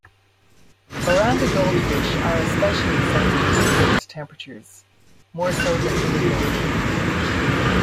Oranda goldfish are especially sensitive to cold temperatures, more so than other goldfish.